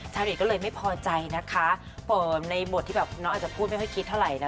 ชาวเน็ตก็เลยไม่พอใจนะคะเปิดในบทที่แบบน้องอาจจะพูดไม่ค่อยคิดเท่าไหร่นะ